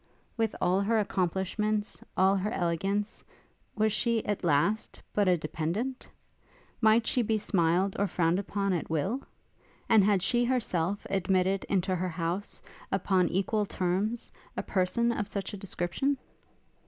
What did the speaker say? With all her accomplishments, all her elegance, was she, at last, but a dependent? Might she be smiled or frowned upon at will? And had she herself admitted into her house, upon equal terms, a person of such a description?